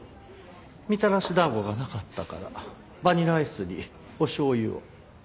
みたらし団子がなかったからバニラアイスにお醤油を。